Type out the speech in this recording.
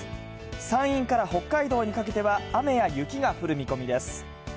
山陰から北海道にかけては雨や雪が降る見込みです。